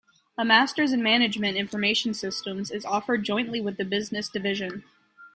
A Masters in Management Information Systems is offered jointly with the Business Division.